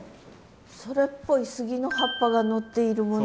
それっぽい杉の葉っぱがのっているものが。